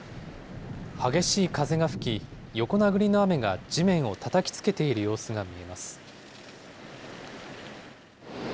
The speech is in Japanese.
激しい風が吹き、横殴りの雨が地面をたたきつけている様子が見えます。